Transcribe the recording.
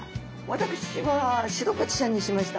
私はシログチちゃんにしました。